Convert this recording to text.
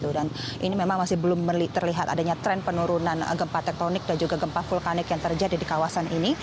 dan ini memang masih belum terlihat adanya tren penurunan gempa tektonik dan juga gempa vulkanik yang terjadi di kawasan ini